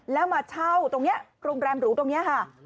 แล้วมาเช่าตรงนี้โรงแรมหรูตรงนี้ค่ะ